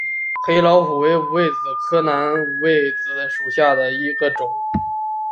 黑老虎为五味子科南五味子属下的一个种。